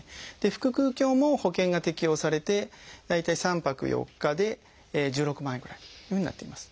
腹腔鏡も保険が適用されて大体３泊４日で１６万円ぐらいというふうになっています。